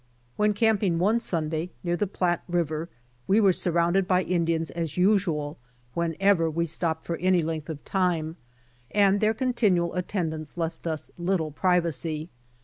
AVhen camping one Sunday near the Platte river we were surrounded by Indians as usual w^henever we stopped for any length of time, and their continual attendance left us little, privacy.